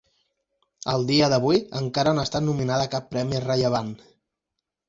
Al dia d'avui encara no ha estat nominada a cap premi rellevant.